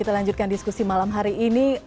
kita lanjutkan diskusi malam hari ini